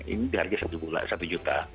ini dihargai satu juta